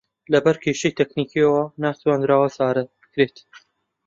لەبەر کێشەی تەکنیکییەوە نەتوانراوە چارە بکرێت